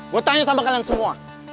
gue tanya sama kalian semua